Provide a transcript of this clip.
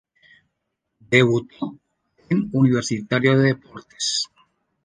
Debutó en Universitario de Deportes.